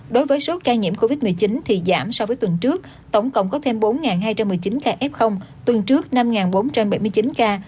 đối với số ca nhiễm covid một mươi chín thì giảm so với tuần trước tổng cộng có thêm bốn hai trăm một mươi chín ca f tuần trước năm bốn trăm bảy mươi chín ca